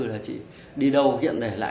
là chị đi đâu kiện để lại